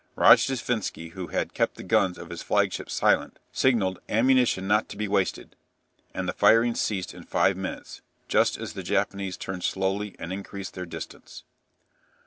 Rojdestvensky, who had kept the guns of his flagship silent, signalled "Ammunition not to be wasted," and the firing ceased in five minutes, just as the Japanese turned slowly and increased their distance.